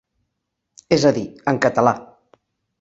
És a dir, en català.